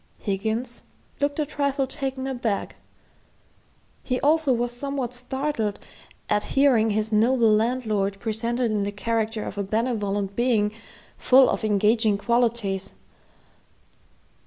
Higgins looked a trifle taken aback. He also was somewhat startled at hearing his noble landlord presented in the character of a benevolent being, full of engaging qualities.